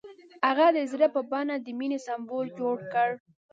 هغه د زړه په بڼه د مینې سمبول جوړ کړ.